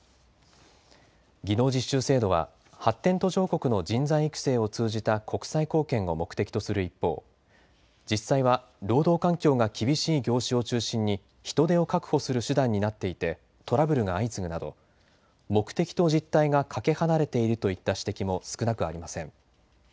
技能実習制度は発展途上国の人材育成を通じた国際貢献を目的とする一方、実際は労働環境が厳しい業種を中心に人手を確保する手段になっていてトラブルが相次ぐなど目的と実態がかけ離れているといった指摘も少なくありません。